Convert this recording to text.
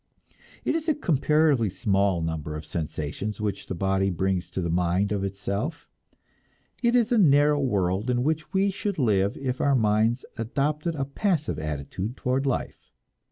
It is a comparatively small number of sensations which the body brings to the mind of itself; it is a narrow world in which we should live if our minds adopted a passive attitude toward life.